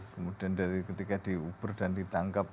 kemudian dari ketika di uber dan ditangkap